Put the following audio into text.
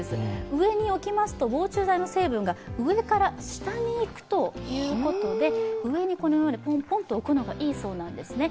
上に置きますと、防虫剤の成分が上から下に行くということで、上にこのように、ぽん、ぽんと置くのがいいそうなんですね。